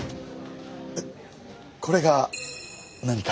えっこれが何か？